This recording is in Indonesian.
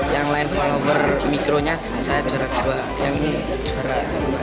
yang lain follower mikronya saya juara dua yang ini juara lima